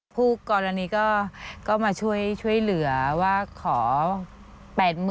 ผู้กรณีก็มาช่วยเหลือว่าขอ๘๐๐๐